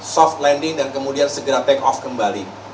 soft landing dan kemudian segera take off kembali